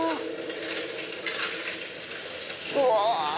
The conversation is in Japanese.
うわ。